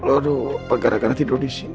aduh gara gara tidur di sini